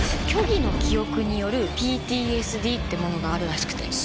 「虚偽の記憶によるＰＴＳＤ」ってものがあるらしくて。